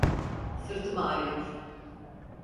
Sırtım ağrıyor.